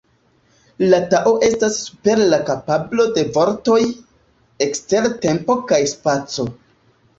La Tao estas super la kapablo de vortoj, ekster tempo kaj spaco.